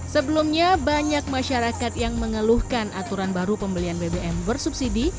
sebelumnya banyak masyarakat yang mengeluhkan aturan baru pembelian bbm bersubsidi